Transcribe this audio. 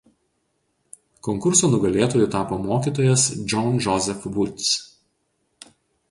Konkurso nugalėtoju tapo mokytojas John Joseph Woods.